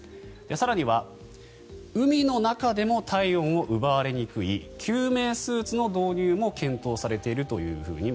更には海の中でも体温を奪われにくい救命スーツの導入も検討されているというふうに